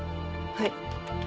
はい。